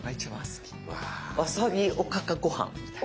わさびおかかご飯みたいな。